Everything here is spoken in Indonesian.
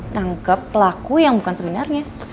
tangkep pelaku yang bukan sebenarnya